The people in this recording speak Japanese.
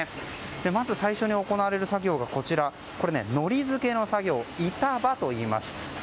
まず最初に行われる作業が糊付けの作業、板場と言います。